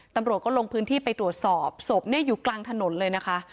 ตำรวจก็ลงพื้นที่ไปตรวจสอบศพเนี่ยอยู่กลางถนนเลยนะคะ